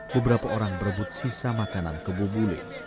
beberapa orang berebut sisa makanan kebubule